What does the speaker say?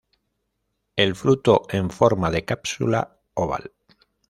El fruto en forma de cápsula oval.